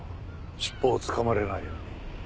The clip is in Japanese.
尻尾をつかまれないように。